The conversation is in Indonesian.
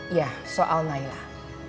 ya soal nailah